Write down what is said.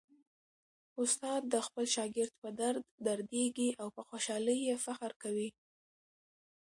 استاد د خپل شاګرد په درد دردیږي او په خوشالۍ یې فخر کوي.